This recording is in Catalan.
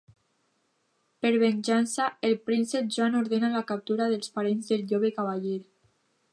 Per venjança, el príncep Joan ordena la captura dels parents del jove cavaller.